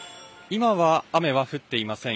今は雨は降っていません。